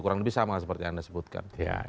kurang lebih sama seperti yang anda sebutkan